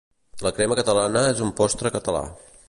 La crema catalana és un postre català